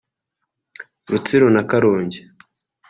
Rutsiro na Karongi